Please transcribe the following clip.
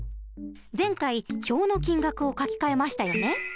前回表の金額を書き換えましたよね。